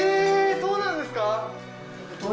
そうなんですか？